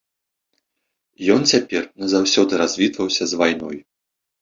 Ён цяпер назаўсёды развітваўся з вайною!